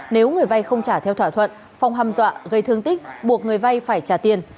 nếu người vay không trả theo thỏa thuận phong dọa gây thương tích buộc người vay phải trả tiền